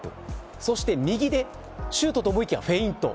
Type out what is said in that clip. そして右でシュートと思いきやフェイント。